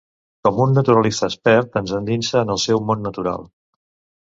Com un naturalista expert ens endinsa en el seu món natural.